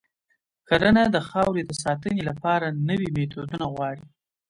کرنه د خاورې د ساتنې لپاره نوي میتودونه غواړي.